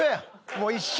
もう一緒。